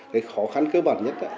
cái khó khăn cơ bản nhất